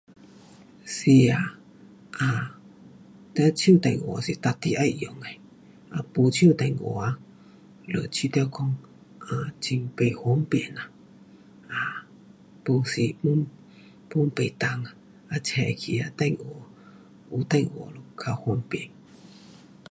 是呀，啊，你手电话是定得要用的，没手电话啊，就觉得讲很不方便呐，啊，没时我 pun 不能，要找去那电话，有电话就较方便。